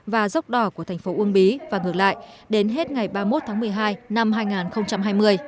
và dốc đỏ của thành phố uông bí và ngược lại đến hết ngày ba mươi một tháng một mươi hai năm hai nghìn hai mươi